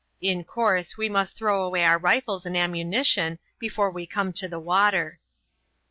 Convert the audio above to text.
In course we must throw away our rifles and ammunition before we come to the water."